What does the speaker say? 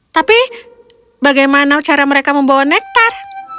tapi bagaimana cara mereka membawa nektar